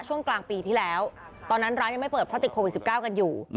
ช่วงกลางปีที่แล้วตอนนั้นร้านยังไม่เปิดเพราะติดโควิด๑๙กันอยู่